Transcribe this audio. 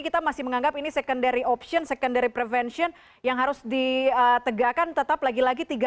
kita masih menganggap ini secondary option secondary prevention yang harus ditegakkan tetap lagi lagi tiga m dan juga tiga m